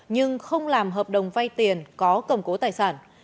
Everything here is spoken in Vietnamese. nhưng không làm hợp đồng vay tiền có cầm cố tài sản